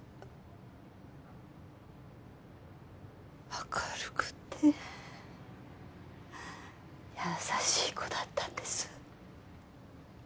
明るくて優しい子だったんです